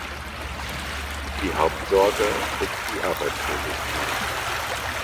Die Hauptsorge ist die Arbeitslosigkeit.